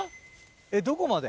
えっどこまで？